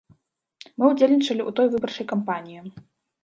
Мы ўдзельнічалі ў той выбарчай кампаніі.